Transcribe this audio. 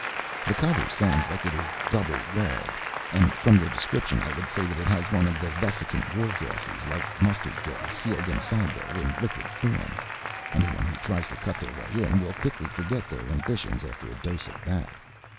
"The cover sounds like it is double walled, and from your description I would say that it has one of the vesicant war gases, like mustard gas, sealed inside there in liquid form. Anyone who tries to cut their way in will quickly forget their ambitions after a dose of that.